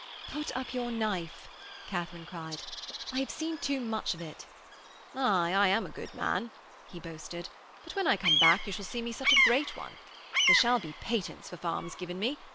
'Put up your knife,' Katharine cried, 'I have seen too much of it.' 'Aye, I am a good man,' he boasted, 'but when I come back you shall see me a great one. There shall be patents for farms given me.